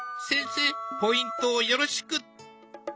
先生ポイントをよろしく！